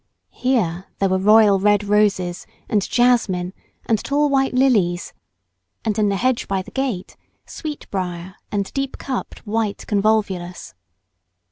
Here there were royal red roses, and jasmine, and tall white lilies, and in the hedge by the gate, sweet brier and deep cupped white convolvulus.